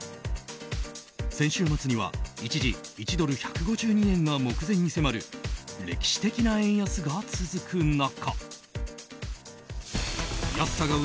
先週末には一時１ドル＝１５２円が目前に迫る歴史的な円安が続く中。